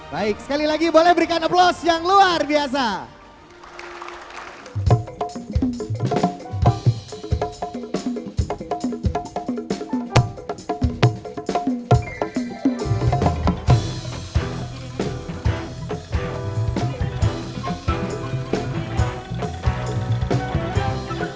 baik sekali lagi boleh berikan aplaus yang luar biasa